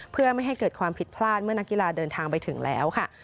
เพื่อไม่ให้เกิดความผิดพลาดเมื่อนักกีฬาเดินทางไปถึงแล้วค่ะ